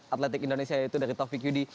atletik indonesia yaitu dari tovi qd